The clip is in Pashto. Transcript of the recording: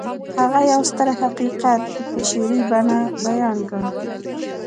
هغه يو ستر حقيقت په شعري بڼه بيان کړ.